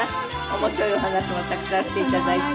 面白いお話もたくさんして頂いて。